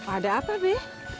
ada apa be